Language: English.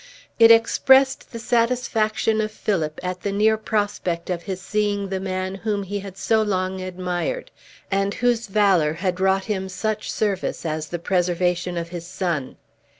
It expressed the satisfaction of Philip at the near prospect of his seeing the man whom he had so long admired, and whose valor had wrought him such service as the preservation of his son.